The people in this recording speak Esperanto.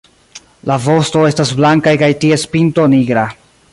La vosto estas blankaj kaj ties pinto nigra.